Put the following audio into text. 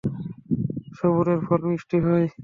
সবুরের ফল মিষ্টি হয়।